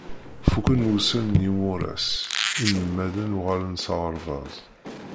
Fukken wussan n yimuras, inelmaden uɣalen s aɣerbaz.